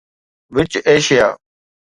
which Asia